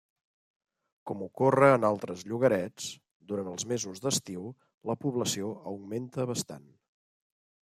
Com ocorre en altres llogarets, durant els mesos d'estiu la població augmenta bastant.